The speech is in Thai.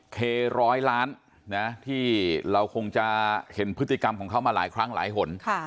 เคร้อยล้านนะที่เราคงจะเห็นพฤติกรรมของเขามาหลายครั้งหลายหน